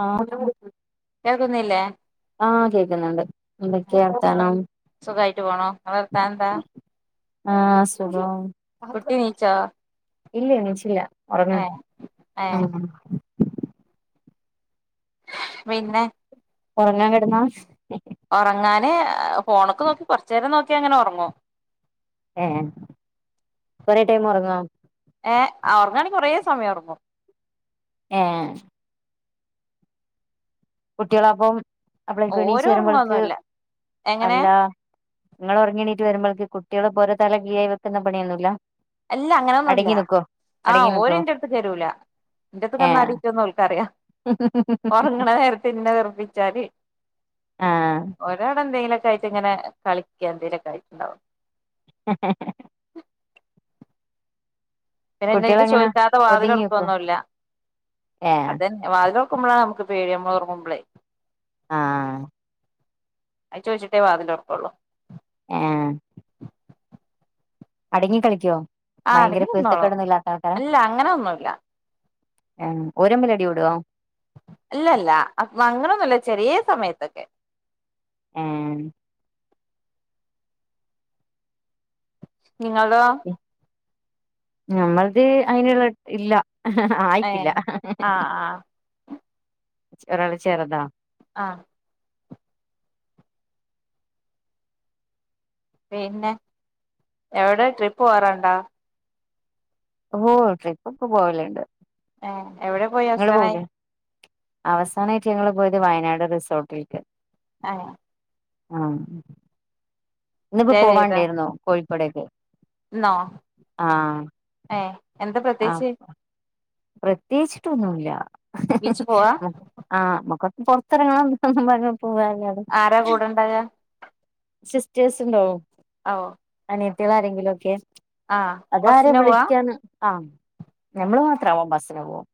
ആഹ് കേൾക്കുന്നില്ലേ ആഹ് കേക്കുന്നുണ്ട് എന്തൊക്കെയ വർത്താനം സുഖായിട്ട് പോണു ഇങ്ങളെ വർത്താനെന്താ ആഹ് സുഖം കുട്ടി നീച്ചോ ഇല്ല എണീച്ചില്ല ഉറങ്ങ ഏ ഏ പിന്നെ ഒറങ്ങാൻ കിടന്നാ ഉറങ്ങാന് ഫോണൊക്കെ നോക്കി കുറച്ചു നേരം നോക്കി അങ്ങനെ ഉറങ്ങും ഏഹ് കുറേ ടൈം ഉറങ്ങോ ഏഹ് ഒറങ്ങുവാണെങ്കിൽ കൊറേ സമയം ഒറങ്ങും ഏഹ് കുട്ടികള് അപ്പൊ അപ്പളേക്കും എണിച്ചു ഓര് വരുമ്പോൾക്ക് ഒറങ്ങൊന്നുല്ല എങ്ങനെ അല്ല- നിങ്ങള് ഒറങ്ങിണീട്ട് വരുമ്പോതേന് കുട്ടികള് പോര തല കീഴായി വെക്കുന്ന പണിയൊന്നുമില്ല അല്ലാ അങ്ങനെയൊന്നുമല്ല ആ അടങ്ങി ഓര് നിക്കോ എന്റെ അടുത്ത്ക്ക് വരൂല എന്റെ അട്ത്ത് കെടന്നാൽ ഏഹ് അടികിട്ടും എന്ന് ഓർക്ക് അറിയാം പിന്നെ വെറുപ്പിച്ചാല് ആഹ് ഒരാടെ എന്തെങ്കിലും ആയിട്ട്ങ്ങനെ കളിക്കാ എന്തങ്കലൊക്ക ആയിട്ടുണ്ടാവോ ഹെ ഹെ ഹെ പിന്നെ എന്റടുത്തു കുട്ടികളെങ്ങനാ ചോദിച്ചാതെ വാതിൽ ഒതുങ്ങി നിക്കോ തുറക്കത്തൊന്നുമില്ല ഏഹ് അതെന്നെ വാതിൽ തുറക്കുമ്പോഴാ നമുക്ക് പേടി ഞമ്മള് ഉറങ്ങുമ്പോളെ ആഹ് ആഹ് അയ് ചോദിചിട്ടെ വാതില് തുറക്കുള്ളു ഏഹ് അടങ്ങി കളിക്കുവോ ആ ഭയങ്കര അടങ്ങി നിന്നോളും കുരുത്തക്കെടൊന്നും ഇല്ലാത്ത ആൾക്കാരാ അല്ല അങ്ങനൊന്നുല്ല ഏഹ് ഓരമ്മിൽ അടികൂടുവോ ഇല്ല ഇല്ല അ അങ്ങണൊന്നുമില്ല ചെറിയ സമയത്തൊക്കെ ആഹ് നിങ്ങളോ ഉം ഞമ്മളത് അതിനുള്ള ഇല്ല ഏ ആയിട്ടില്ല ആഹ് ആഹ് ഒരാള് ചെറുതാ ആഹ് പിന്നെ എവിടെ ട്രിപ്പ് പോവാറുണ്ട ഓഹ് ട്രിപ്പ് ഒക്കെ പോവലുണ്ട് ഏഹ് എവിടെ പോയി നിങ്ങള് അവസാനായി പോവൂലേ അവസാനമായിട്ട് ഞങ്ങള് പോയത് വയനാട് റിസോർട്ടിലേക്ക് അഹ് ആഹ് ഇന്നിപ്പോ സ്റ്റേ ചെയ്തോ പോവാണ്ടായിരുന്നോ കോഴിക്കോടേക്ക് ആഹ് ഏയ് എന്താ പ്രത്യേകിച്ച് പ്രത്യേകിച്ചിട്ടൊന്നുംല്ല ബീച്ച് പോവാ ആഹ് മമുക്കൊന്ന് പുറത്തിറങ്ങണം എന്തൊന്നും പറഞ്ഞ പോവാനങ് ആരാ കൂടെണ്ടാക സിസ്റ്റേഴ്സ് ഉണ്ടോ അ ഓ അനിയത്തി കള് ആരെങ്കിലുമൊക്കെ ആഹ് അതാരെ ബസ്സിന് പോവാ വിളിക്കന്ന് ആം ഞമ്മള് മാത്രവമ്പോ ബസ്സിന് പോകും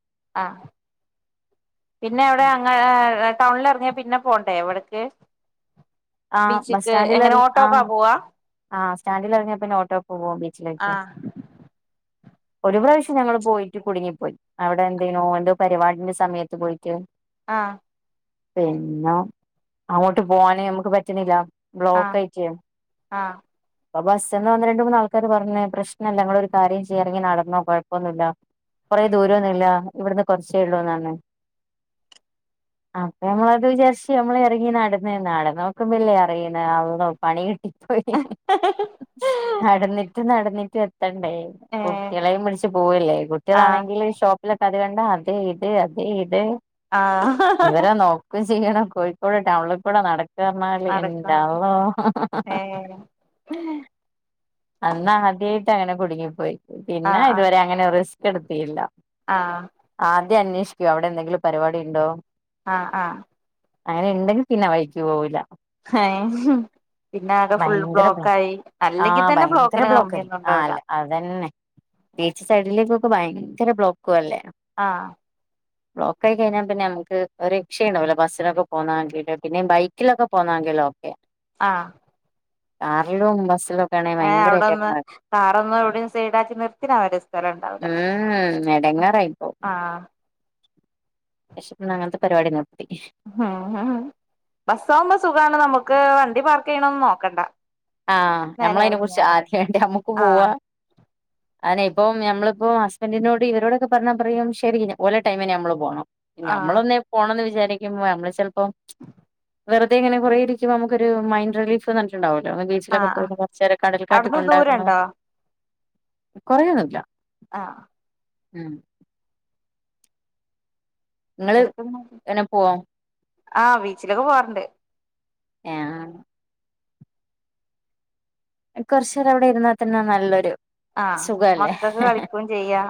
ആഹ് പിന്നെ അവിടെ അങ്ങനെ ആഹ് ടൗണിലിറങ്ങിയാ പിന്നെ പോണ്ടേ അവിടെക്ക് ആ ബീച്ചക്ക് എങ്ങനെ ഓട്ടോക്കാ പോവാ ആഹ് സ്റ്റാൻഡിൽ ഇറങ്ങിയ പിന്നെ ഓട്ടോക്ക്‌ പോവും ബീച്ചിലേക്ക് [inaudible] ഒരു പ്രാവശ്യം ഞങ്ങള് പോയിട്ട് കുടുങ്ങിപ്പോയി അവിടെ എന്തേനോ ഓന്റെ പരിപാടിന്റെ സമയത്ത് പോയിട്ട് ആഹ് പിന്നെ അങ്ങോട്ട് പോവാനെ ഞമുക്ക് പറ്റണില്ല ബ്ലോക്കായിട്ട് ആഹ് അപ്പൊ ബസ്സിന് ഒന്ന് രണ്ട് മൂന്ന് ആൾക്കാര് പറഞ്ഞ് പ്രശ്നല്ല നിങ്ങൾ ഒരു കാര്യം ചെയ്യ് ഇറങ്ങി നടന്നോ കുഴപ്പൊന്നുല്ല കൊറേ ആഹ് ദൂരൊന്നുല്ല ഇവിടുന്ന് കൊറച്ചേ ഉള്ളുന്ന് പറഞ്ഞു [inaudible] അപ്പൊ ഞമ്മളത് വിചാരിച്ച് ഞമ്മള് ഇറങ്ങി നടന്ന് നടന്ന് നോക്കുമ്പളല്ലേ അറിയിണ അള്ളോ പണി കിട്ടി നടന്നിട്ട് നടന്നിട്ട് എത്തെണ്ടേ ഏ കുട്ട്യേളേയും വിൾച്ച് പോവെല്ലേ ആഹ് കുട്ട്യേളാണെങ്കില് ഷോ ഇല പതിനണ്ടാ അത് ഇത് അതെ ഇത് ആഹ് ഇവരാന്നൊ ക്കും ചെയ്യണം. കോഴിക്കോട് ടൗണ് കൂടെ നടക്കാറ്ഞ്ഞാല് നടക്കാം എന്റാള്ളോ ഏഹ് [unintelligible] അന്ന് ആദ്യ ആയിട്ട് അങ്ങനെ കുടുങ്ങിപ്പോയി. പിന്നെ ആഹ് ആഹ് ഇതുവരെ അങ്ങനെ റിസ്ക് എടുത്തീല്ല. ആഹ് ആദ്യം അന്വേഷിക്കോ അവിടെ എന്തെങ്കിലും പരിപാടി ഉണ്ടോ ആഹ് ആഹ് അങ്ങനെ ഇണ്ടെങ്കി പിന്നെ ആ വഴിക്ക് പോവൂല്ല. ഹേ പിന്നെ ആകെ ഫുൾ ഭയങ്കര ബ്ലോക്ക് ബ്ലോ ക്കായി ആ അല്ലെങ്കിൽ തന്നെ ഭയങ്കര ബ്ലോക്കിന് ബ്ലോക്ക് ആയിരിക്കും ആ കമ്മിയൊന്നുണ്ടാവുല. അല്ല അതന്നെ ബീച്ച് സൈഡിലേക്കൊക്കെ ഭയങ്കര ബ്ലോക്കു അല്ലേ ആഹ് ബ്ലോക്കായി കഴിഞ്ഞാ പിന്നെ നമുക്ക് ഒരു ക്ഷയും ഉണ്ടാവൂല. ബസിനൊക്കെ പോന്നാങ്കില് പിന്നെയും ബൈക്കിലൊക്കെ പോന്നാെങ്കിലൊ ഓക്കെ. ആഹ് കാറിലും ബസ്സിലും ഒക്കെ ആണെ ഏഹ് ഭയങ്കരായിട്ട് അവിടൊന്ന് എടങ്ങേറാ കാറൊന്നു എവിടെം സൈഡാക്കി നിർത്തിടാൻ വരെ സ്ഥലുണ്ടാവുല. ഉം ഉം. എടങ്ങേറായിപ്പോവും ആഹ് പഷം ഇന്നങ്ങൻത്തെ പരിപാടി നിർത്തി. ഹാഹാ ബസ്സാവുമ്പ സുഖാണ് നമുക്ക് വണ്ടി പാർക്കെയ്യണോന്നും നോക്കണ്ട. ആഹ് നേരെ ഞമ്മളയ്നെ ഇറങ്ങിയാ കുറിച്ച് മതി ആദ്യണ്ടെ നമ്മുക്ക് ആഹ് പോവാ അഎന്നെ ഇപ്പം നമ്മള്പ്പോ ഹസ്ബൻഡറിനോട് ഇവരോടൊക്കെ പറഞ്ഞാ പറയും ശരി ഓലെ ടൈമിന് നമ്മള് പോണം. ആഹ് ഞമ്മളൊന്ന് പോണംന്ന് വിചാരിക്കുമ്പോ നമ്മള് ചെൽപ്പം. വെറുതെ ഇങ്ങനെ കൊറേ ഇരിക്കുമ്പോ അമക്കൊരു മൈഡ് റിലീഫ്ന്നറഞ്ഞിണ്ടാവൊല്ലോ [unintelligible] ച്ചിലൊക്കെ ആഹ് പോയി ആഹ് കൊറ്ച്ചേരം കടൽക്കാറ്റൊക്കെ അവിടുന്ന് ഉണ്ടാകുന്നു. ദൂരണ്ടോ കൊറേയൊന്നുല്ല. ആഹ് ഉം ഇങ്ങള് കെടക്കുന്നു എങ്ങനെ പോവോ ആഹ് ബീച്ചിലൊക്കെ പോവാറ്ണ്ട്. ഏഹ് ആഹ് കൊറച്ചേരം അവിടെ ഇരുന്നാൽ തന്നെ നല്ലൊരു ആഹ് സുഖല്ലേ മക്കൾക്ക് കളിക്കും ചെയ്യ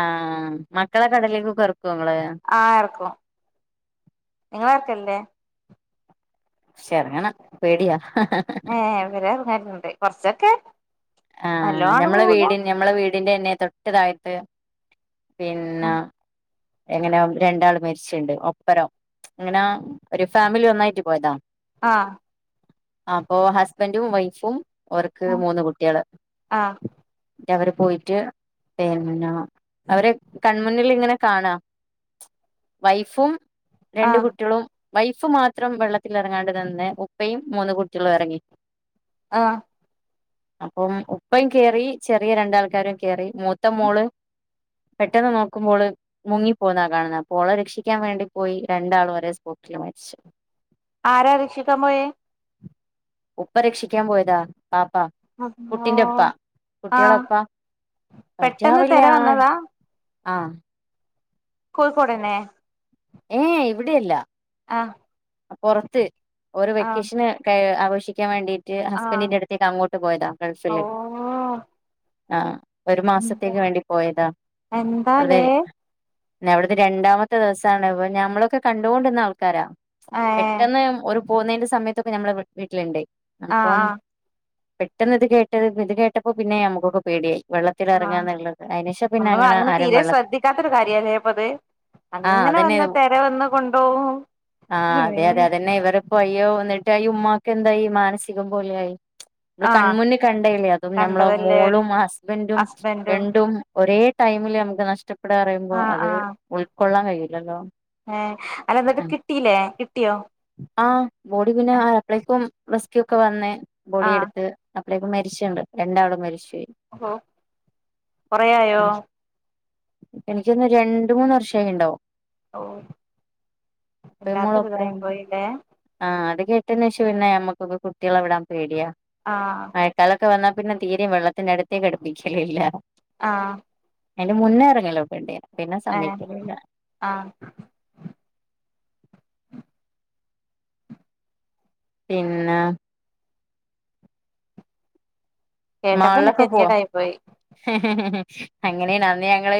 ആഹ് മക്കളെ കടലീക്ക് ഒക്കെ എറക്കോ ഇങ്ങള്. ആഹ്. എറ്ക്കും ഇങ്ങളറ്ക്കലില്ലേ ശർങ്ങനം പേടിയാ ഏഹ് ഇവരെ എറ്ങ്ങല്ണ്ട് കൊറച്ചൊക്കെ ആഹ് നല്ലോണ്ട് ഞമ്മളെ പോവൂല വീടിന്റെ ഞമ്മളെ വീടിന്റെ എന്നെ തൊട്ട് തായ്ത്ത് പിന്നെ ഉം എങ്ങനെ രണ്ടാൾ മരിച്ചിട്ടുണ്ട് ഒപ്പരം. അങ്ങനെ ഒരു ഫാമിലി ഒന്നായിട്ട് പോയതാ. ആഹ് അപ്പൊ ഹസ്ബൻഡും വൈഫും ഓർക്ക് ഉം മൂന്ന് കുട്ട്യേള് ആഹ് റ്റ അവര് പോയിട്ട് പിന്നെ അവര് കൺമുന്നില് ഇങ്ങനെ കാണാ വൈഫും രണ്ട് ആഹ് കുട്ട്യേളും വൈഫ് മാത്രം വെള്ളത്തില് എറങ്ങാണ്ട നിന്ന്. ഉപ്പയും മൂന്ന് കുട്ട്യേളും എറങ്ങി. ആഹ് അപ്പം ഉപ്പെ [unintelligible] കേറി. ചെറിയ രണ്ടാൾക്കാരും കേറി മൂത്ത മോള് പെട്ടെന്ന് നോക്കുമ്പോ ഓള് മുങ്ങിപ്പോവുന്ന കാണുന്നത്. അപ്പോ ഓളെ രക്ഷിക്കാൻ വേണ്ടി പോയി രണ്ടാളും ഒരെ സ്പോട്ടില് മരിച്ച്. ആരാ രക്ഷിക്കാൻ പോയേ. ഉപ്പ രക്ഷിക്കാൻ പോയതാ ബാപ്പാ അള്ളോ കുട്ടിന്റെ ഉപ്പാ കുട്ടികളുടെ ആഹ് ഉപ്പാ പെട്ടെന്ന് തെര [unintelligible] ആ വന്നതാ ആഹ് കോഴിക്കോട് തന്നേ ഏ ഇവിടെയല്ല ആഹ് പുറത്ത് ഓര് ആഹ് വെക്കേഷന് ക ആഘോഷിക്കാൻ വേണ്ടീ ട്ട് ആഹ് ഹസ്ബൻഡിന്റെ അടുത്തേക്ക് അങ്ങോട്ട് പോയതാ ഗൾഫില് ഓഹ് ആഹ് ഒരു എന്താ മാസത്തേക്ക് വേണ്ടി പോയതാ അവിടത്തെ എന്താലേ പിന്നെ അവിടുന്ന് രണ്ടാമത്തെ ദിവസം [unintelligible] ഞമ്മളൊക്കെ കണ്ടുകൊണ്ടിരുന്ന ആൾക്കാരാ ആഹ് പെട്ടെന്ന് ഓര് പോകുന്നതിന്റെ സമയത്തൊക്കെ നമ്മള് വീട്ടിലുണ്ടെ ആഹ് അപ്പം ആഹ് പെട്ടെന്ന് ഇത് കേട്ട് ഇത് കേട്ടപ്പോ പിന്നെ നമുക്കൊക്കെ പേടിയായി വെള്ളത്തിൽ ഇറങ്ങാ ആഹ് എന്നുള്ളത് അതിന് ശേഷം പിന്നെ അങ്ങനെ ആരും വെള്ളത്തി ക്കാത്തൊരു കാര്യാ അല്ലെ ഇപ്പോ അത് ആഹ് അങ്ങനെ അതന്നെ വന്നാ തെര വന്ന് കൊണ്ടോവും [unintelligible] എന്നെ ഇവരും വയ്യോ വന്നിട്ട് ഈ ഉമ്മാക്ക് എന്തായി മാനസികം പോലെയായി നമ്മള് ആഹ് കൺമുന്നിൽ കണ്ടതല്ലേ അതും നമ്മളെ കണ്ടതല്ലേ ഒരു മോളും ഹസ്ബൻഡും ഹസ്ബൻറും രണ്ടും ഒരേ ടൈമില് നമുക്ക് നഷ്ടപ്പെടുവാ പറയുമ്പോൾ അത് ഉ ഏ അല്ല അതൊക്കെ കിട്ടീല്ലേ കിട്ടിയോ ആഹ് ബോഡി പിന്നെ അപ്പളേക്കും റെസ്ക്യു ഒക്കെ വന്ന് ബോഡി ആഹ് എടുത്ത് അപ്പളേക്ക് മരിച്ചിട്ടുണ്ട് രണ്ടാളും മരിച്ചു പോയി ഓഹോ കൊറെയായോ എനിക്ക് തോന്നുന്നു രണ്ട് മൂന്ന് വർഷമായിട്ടുണ്ടാവും ഓ വല്ലാത്തൊരു ഇതായി പോയല്ലേ ആഹ് അത് കെട്ടേന് ശേഷം പിന്നെ നമുക്കൊക്കെ കുട്ടികളെ വിടാൻ പേടിയാ ആഹ് മഴക്കാലൊക്കെ വന്നാൽ പിന്നെ തീരെയും വെള്ളത്തിന്റെ അടുത്തേക്ക് അടുപ്പിക്കലില്ല ആഹ് അതിന്റെ മുന്നേ ഇറങ്ങലൊക്കെ ഉണ്ടായിരുന്നു പിന്നെ ഏഹ് സമ്മയിക്കലില്ല ആഹ് പിന്നെ കേട്ടപ്പോ തന്നെ മാളിലൊക്കെ പോവോ ഗതികേടായി പോയി അങ്ങനെയാണ് അന്ന് ഞങ്ങള്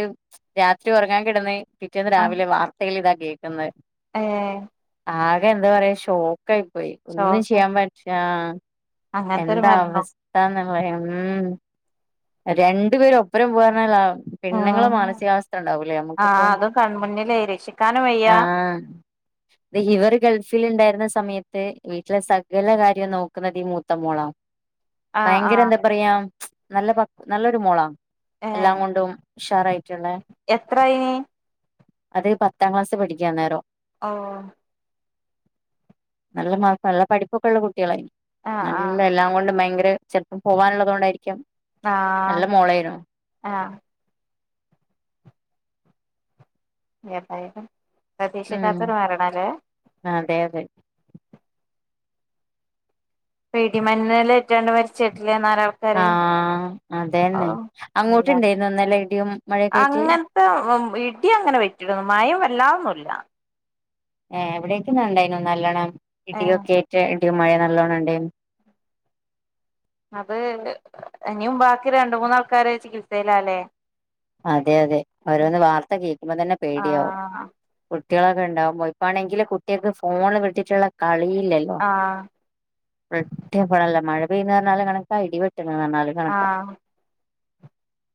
രാത്രി ഉറങ്ങാൻ കിടന്ന് പിറ്റേന്ന് രാവിലെ വാർ ത്തകളിൽ ഇതാ കേൾക്കുന്നത് ഏ ആകെ എന്താ പറയാ ഷോക്കായി പോയി ഒന്നും ഷോക്കായി ചെയ്യാൻ പറ്റില്ല അങ്ങനത്തൊരു എന്താ മരണോ അവസ്ഥന്ന് പറയാ ഉം രണ്ടു പേര് ഒപ്പനേ പോവാ പറഞ്ഞാൽ പെണ്ണുങ്ങളെ ഉം മാനസികാവസ്ഥ ഉണ്ടാവൂലേ ആഹ് നമുക്കിപ്പോ അതും കൺമുന്നിലേ രക്ഷിക്കാനും വയ്യ ആഹ് ഇവർ ഗൾഫിൽ ഉണ്ടായിരുന്ന സമയത്ത് വീട്ടിലെ സകല കാര്യം നോക്കുന്നത് ഈ മൂത്ത മോളാ [inaudible] ഭയങ്കര ആഹ് എന്താ പറയാ നല്ല പ നല്ലൊരു മോളാ എല്ലാം കൊണ്ടും ഉഷാറായിട്ടുള്ള എത്ര ആയി അത് പത്താം ക്ലാസ് പഠിക്കുവാ അന്നേരം ഓ നല്ല മാർ നല്ല പഠിപ്പൊക്കെ ഉള്ള കുട്ടികളായിന് ആഹ് നല്ല ആഹ് എല്ലാം കൊണ്ടും ഭയങ്കര ചെലപ്പം പോവാനുള്ളത് കൊണ്ടായിരിക്കാം നല്ല ആഹ് മോളായിരുന്നു ആഹ് ഏതായാലും പ്രതീക്ഷിക്കാത്തോര് മ രണം അല്ലേ ആഹ് അതെ അതെ ഇടി മിന്നല് ഏറ്റാണ്ട് മരിച്ചിട്ടില്ലേ ന്നാരോ ആഹ് അതേന്നെ അല്ല അങ്ങോട്ട് ഇണ്ടായിരുന്നോഇന്നലെ ഇടിയും മഴയൊക്കെ ആയിട്ട് ഇടിയങ്ങനെ വെട്ടിയിട്ട് മഴയും വല്ലാതൊന്നുമില്ല ഏഹ് ഇവിടയേക്കുന്ന് ഇണ്ടായിരുന്നു നല്ലോണം ഏ ഇടിയൊക്കെ ആയിറ്റ് ഇടിയും മഴ നല്ലോണം ഇണ്ട് അത് ഇനിയും ബാക്കി രണ്ട് മൂന്നാൾക്കാര് ചികിത്സയിലാല്ലേ അതെ അതെ ഓരോന്ന് വാർത്ത കേൾക്കുമ്പം തന്നെ പേടിയാവും ആഹ് കുട്ടികളൊക്കെ ഉണ്ടാവുമ്പോ ഇപ്പാണെങ്കില് കുട്ടികൾക്ക് ഫോണ് വിട്ടിട്ടുള്ള കളിയില്ല ആഹ് [unintelligible] മഴ പെയ്യന്ന് പറഞ്ഞാല് കണക്കാ ഇടി വെട്ടണന്ന് പറഞ്ഞാല് കണക്കാ ആഹ്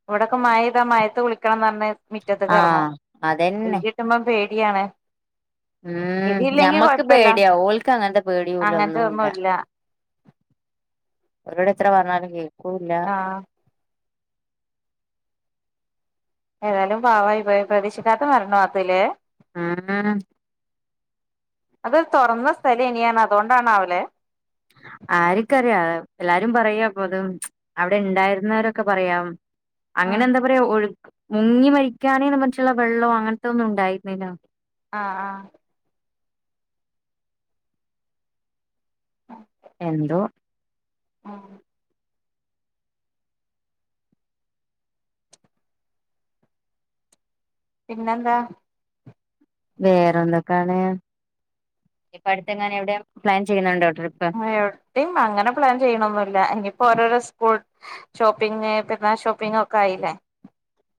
ഇവിടൊക്കെ മഴ പെയ്താ മഴയത്ത് കുളിക്കണംന്ന് പറഞ്ഞ് മുറ്റത്തേക്ക് ഇറങ്ങും ആഹ് ഇടി അതന്നെ വെട്ട് മ്പം പേടിയാണ് ഉം ഇടിയില്ലെങ്കി ഞമ്മക്ക് കൊഴപ്പല്ല പേടിയാ ഓൽ ക്ക് അങ്ങനത്തെ പേടിയുമില്ല അങ്ങനത്തെ ഒന്നുമില്ല ഒന്നുല്ല അവരോട് എത്ര പറഞ്ഞാലും കേൾക്കൂല്ല ആഹ് ഏതായാലും പാവമായ് പോയ് പ്രതീക്ഷിക്കാത്ത മരണ വാർത്ത ഇല്ലേ ഉം ഉം അത് തുറന്ന സ്ഥലം നി പറഞ്ഞ് അതുകൊണ്ടാണ്ല്ലേ ആർക്കറിയാം എല്ലാരും പറയാപ്പം ഇത് അവിടെ ഉണ്ടായിരുന്നവരൊക്കെ പറയാം അങ്ങനെ ആഹ് എന്താ പറയാ ഒഴുക്ക് മുങ്ങി മരിക്കാനേ മറ്റുള്ള വെള്ളമോ അങ്ങനത്തെ ഒന്നും ഉണ്ടായിരുന്നില്ല ആഹ് ആഹ് എന്തോ ഉം പിന്നെന്താ വേറെ എന്തൊക്കെയാണ് ഇപ്പം അടുത്തെങ്ങാനും എവിടെയാ പ്ലാൻ ചെയ്യുന്നുണ്ടോ ട്രിപ്പ്‌ എവിടെത്തെയും അങ്ങനെ പ്ലാൻ ചെയ്യണൊന്നുമില്ല ഇനിയിപ്പോ ഓരോരോ സ്കൂൾ ഷോപ്പിംഗ് പിന്നെ ഷോപ്പിങ് ഒക്കെ ആയില്ലേ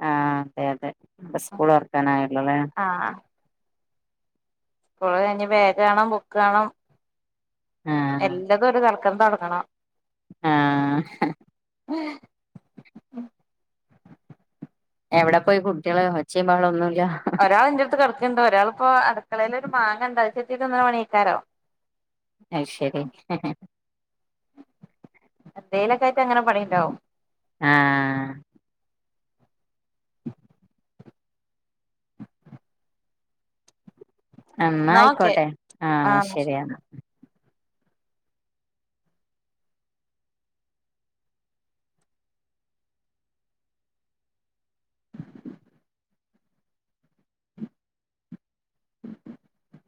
ആഹ് അതെ അതെ ഇപ്പം സ്കൂള് തുറക്കാൻ ആയല്ലോല്ലേ ആഹ് ഇപ്പോള് ഇനി ബേഗ് വേണം ബുക്ക് വേണം ആഹ് എല്ലാതും ഒരു തൽക്കന്ന് തുടങ്ങണം ആഹ് എവിടെ പോയി കുട്ടികള് ഒച്ചയും ബഹളമൊന്നുമില്ല ഒരാളെന്റെ അടുത്ത് കിടക്കുണ്ട് ഒരാളിപ്പം അടുക്കളയിലൊരു മാങ്ങ ഉണ്ട് അത് ചെത്തി തിന്ന്ന പണി ആയിരിക്കും അത് ശരി എന്തേലൊക്കെ ആയിട്ട് അങ്ങനെ പണിയുണ്ടാവും ആഹ് എന്നാ ന്നാ ഓക്കെ ആയിക്കോട്ടെ ആഹ് ശരിയന്നാ [inaudible]